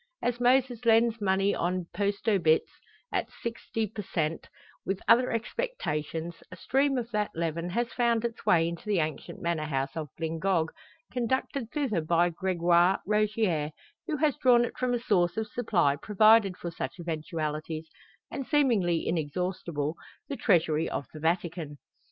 As Moses lends money on post obits, at "shixty per shent," with other expectations, a stream of that leaven has found its way into the ancient manor house of Glyngog, conducted thither by Gregoire Rogier, who has drawn it from a source of supply provided for such eventualities, and seemingly inexhaustible the treasury of the Vatican.